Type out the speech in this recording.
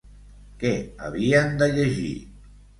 Què havien de llegir?